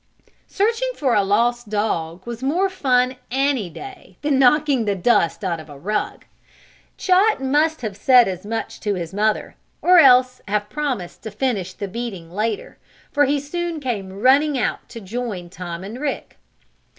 Searching for a lost dog was more fun, any day, than knocking the dust out of a rug. Chot must have said as much to his mother, or else have promised to finish the beating later, for he soon came running out to join Tom and Rick.